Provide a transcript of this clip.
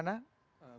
nama dari mana